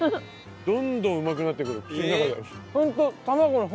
どんどんうまくなってくる口の中で。